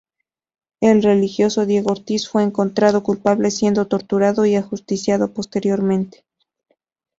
El religioso Diego Ortiz fue encontrado culpable siendo torturado y ajusticiado posteriormente.